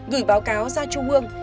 gửi báo cáo ra trung ương